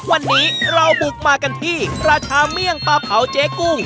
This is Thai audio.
วันนี้เราบุกมากันที่ประชาเมี่ยงปลาเผาเจ๊กุ้ง